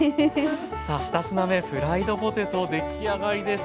さあ２品目フライドポテト出来上がりです。